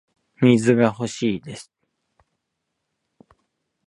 水が欲しいです